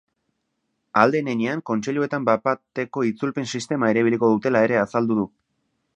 Ahal den heinean, kontseiluetan bapateko itzulpen sistema erabiliko dutela ere azaldu du.